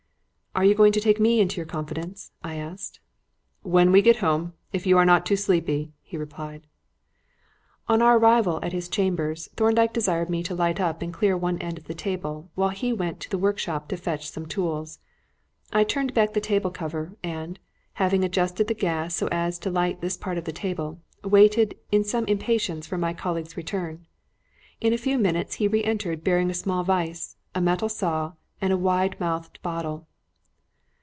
"Are you going to take me into your confidence?" I asked. "When we get home, if you are not too sleepy," he replied. On our arrival at his chambers, Thorndyke desired me to light up and clear one end of the table while he went up to the workshop to fetch some tools. I turned back the table cover, and, having adjusted the gas so as to light this part of the table, waited in some impatience for my colleague's return. In a few minutes he re entered bearing a small vice, a metal saw and a wide mouthed bottle.